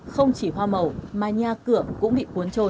không chỉ hoa màu mà nhà cửa cũng bị cuốn trôi